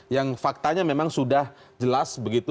yang faktanya memang sudah jelas begitu